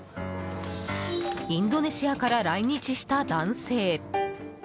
インドネシアから来日した男性。